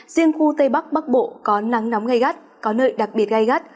riêng khu tây bắc bắc bộ có nắng nóng gây gắt có nơi đặc biệt gây gắt